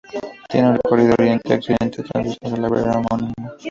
Tiene un recorrido oriente-occidente, atravesando la vereda homónima.